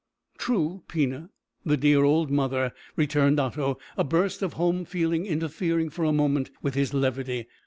"True, Pina! The dear old mother!" returned Otto, a burst of home feeling interfering for a moment with his levity.